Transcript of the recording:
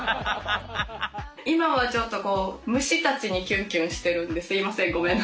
今はちょっとこう虫たちにキュンキュンしてるんですみませんごめんなさい。